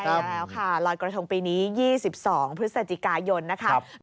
ใช่แล้วค่ะลอยกระทงปีนี้๒๒พฤศจิกายนนะครับ